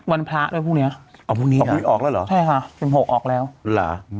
วันพระด้วยพรุ่งนี้อ๋อพี่นี่ออกแล้วเหรอใช่ค่ะสิ่งหกออกแล้วหรือ